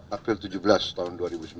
april tujuh belas tahun dua ribu sembilan belas